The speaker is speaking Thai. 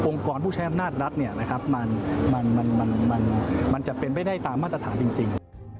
องค์กรผู้ใช้อำนาจรัฐมันจะเป็นไปได้ตามบรรทัศน์จริง